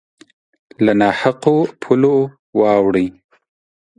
له نا حقو پولو واوړي